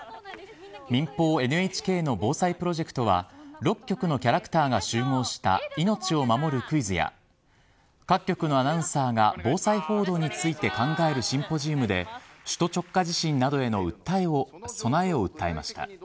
民放ＮＨＫの防災プロジェクトは６局のキャラクターが集合したいのちを守るクイズや各局のアナウンサーが防災報道について考えるシンポジウムで首都直下地震などへの備えを訴えました。